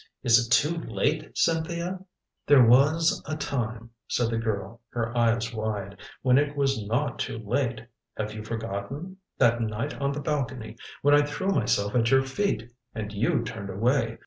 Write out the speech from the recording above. Is it too late Cynthia " "There was a time," said the girl, her eyes wide, "when it was not too late. Have you forgotten? That night on the balcony, when I threw myself at your feet, and you turned away.